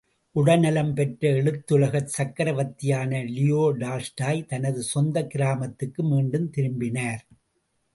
உடல் நலம் பெற்ற எழுத்துலகச் சக்கரவர்த்தியான லியோ டால்ஸ்டாய், தனது சொந்தக் கிராமத்துக்கு மீண்டும் திரும்பினார்.